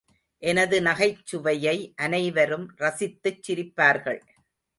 எனது நகைச்சுவையை அனைவரும் ரசித்துச் சிரிப்பார்கள்.